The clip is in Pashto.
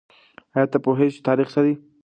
آیا ته پوهېږې چې تاریخ څه دی؟